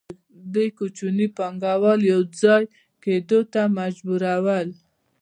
دوی کوچني پانګوال یوځای کېدو ته مجبورول